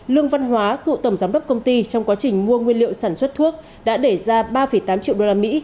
lương văn hóa cựu tổng giám đốc công ty trong quá trình mua nguyên liệu sản xuất thuốc đã để ra ba tám triệu usd